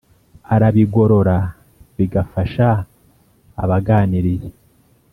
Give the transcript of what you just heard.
arabigorora bigafasha abaganiriye.